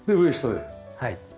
はい。